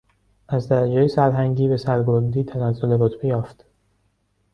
از درجهی سرهنگی به سرگردی تنزل رتبه یافت.